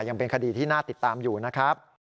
ยังเป็นคดีที่น่าติดตามอยู่นะครับ